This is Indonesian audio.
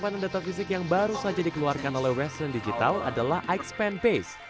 penyimpanan data fisik yang baru saja dikeluarkan oleh western digital adalah ixpand base